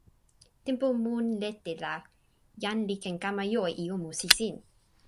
tenpo mun lete la, jan li ken kama jo e ijo musi sin.